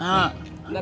biar saya yang bicara